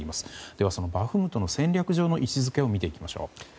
ではそのバフムトの戦略上の位置付けを見ていきましょう。